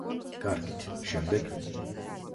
კარგით, შემდეგ.